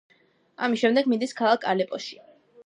ამის შემდეგ მიდის ქალაქ ალეპოში.